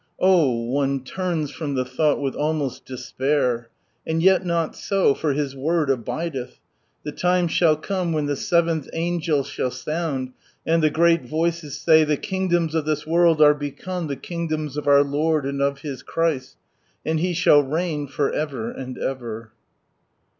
Oh one turns from the thought with almost despair ! And yet not so— for His Word abidcth. The time shall come when the seventh .'Vngel shall sound, and the great voices say— "The kingdoms of this world are become the kingdoms of our Lord and of His Christ, and He shall reign for ever and ever!"